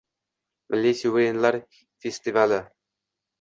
“Milliy suvenirlar” festivaling